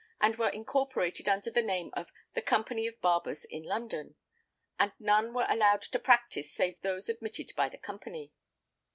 and were incorporated under the name of "The Company of Barbers in London," and none were allowed to practise save those admitted by the company.